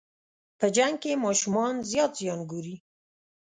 په جنګ کې ماشومان زیات زیان ګوري.